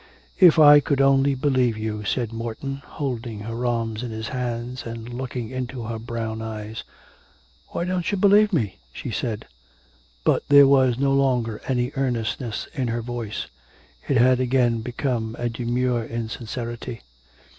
'If I could only believe you,' said Morton, holding her arms in his hands and looking into her brown eyes. 'Why don't you believe me?' she said; but there was no longer any earnestness in her voice. It had again become a demure insincerity.